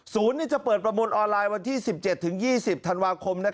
จะเปิดประมูลออนไลน์วันที่๑๗๒๐ธันวาคม